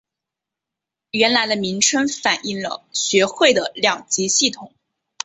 原来的名称反应了学会的两级系统。